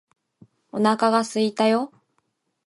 お腹がすいたよ